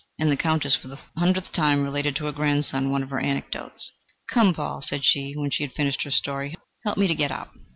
And the Countess for the hundredth time related to her grandson one of her anecdotes. "Come, Paul," said she, when she had finished her story, "help me to get up.